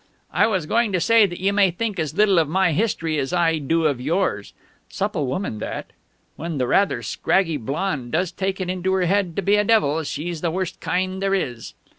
"I was going to say that you may think as little of my history as I do of yours. Supple woman that; when the rather scraggy blonde does take it into her head to be a devil she's the worst kind there is...."